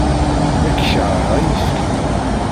Nekk keṛheɣ ayefki.